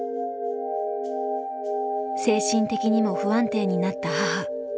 精神的にも不安定になった母。